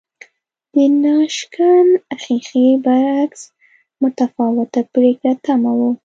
د ناشکن ښیښې برعکس متفاوته پرېکړه تمه وه